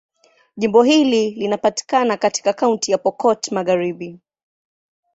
Jimbo hili linapatikana katika Kaunti ya Pokot Magharibi.